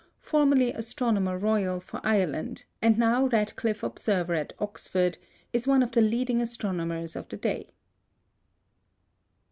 formerly Astronomer Royal for Ireland and now Radcliffe Observer at Oxford, is one of the leading astronomers of the day.